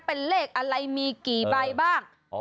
เป็นเลขอะไรมีกี่ใบบ้าง